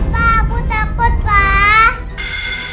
pak aku takut pak